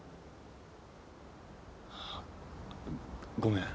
あごめん。